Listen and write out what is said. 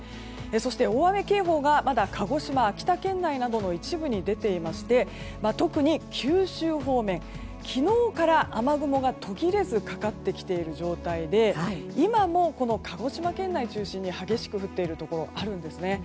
そして大雨警報がまだ鹿児島秋田県内の一部に出ていて特に九州方面、昨日から雨雲が途切れずかかってきている状態で今も鹿児島県内中心に激しく降っているところがあります。